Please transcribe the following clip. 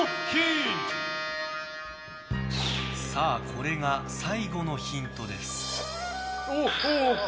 さあ、これが最後のヒントです。